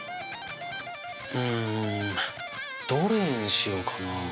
うんどれにしようかなあ。